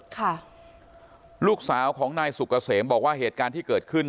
ค่ะลูกสาวของนายสุกเกษมบอกว่าเหตุการณ์ที่เกิดขึ้น